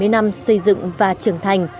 bảy mươi năm xây dựng và trưởng thành